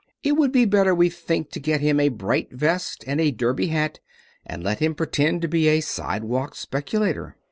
It would be better we think to get him a bright vest and a derby hat and let him pretend to be a sidewalk speculator.